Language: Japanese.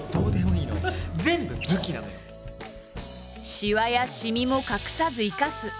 しわやシミも隠さず生かす。